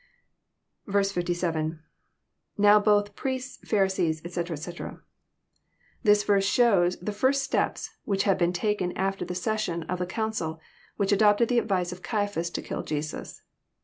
" 57. — [iVow both,„prie8t8,.. Pharisees, etc,, etc.] This verse shows the first steps which had been takeh after the session of the council which adopted the advice of Caiaphas to kill Jesus.